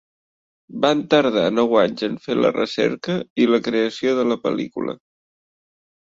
Van tardar nou anys en fer la recerca i la creació de la pel·lícula.